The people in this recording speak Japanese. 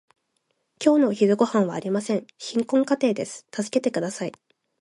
今日のお昼ごはんはありません。貧困家庭です。助けてください。